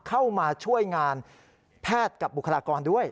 เข้ามาช่วยงานแพทย์กับบุคลากรด้วย